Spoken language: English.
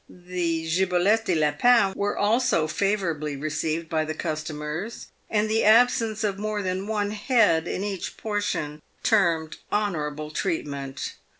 The gibelottes de lapin were also favourably received by the customers, and the absence of more than one head in each portion termed honourable treatment.